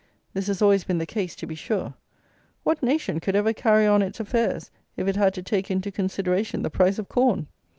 This has always been the case, to be sure. What nation could ever carry on its affairs, if it had to take into consideration the price of corn?